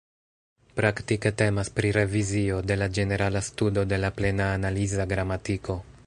Praktike temas pri revizio de la ĝenerala studo de la Plena Analiza Gramatiko.